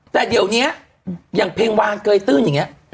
แต่เดี๋ยวเนี้ยอย่างเพลงวางเกย์ตื่นยังไง